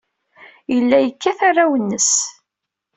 Yella yekkat arraw-nnes.